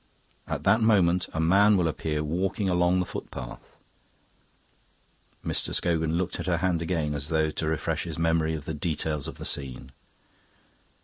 At that moment a man will appear walking along the footpath." Mr. Scogan looked at her hand again as though to refresh his memory of the details of the scene.